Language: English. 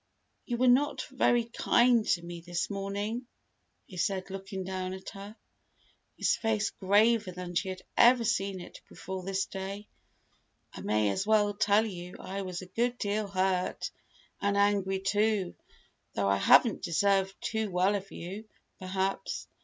"You were not very kind to me this morning," he said, looking down at her, his face graver than she had ever seen it before this day. "I may as well tell you I was a good deal hurt, and angry, too though I haven't deserved too well of you, perhaps.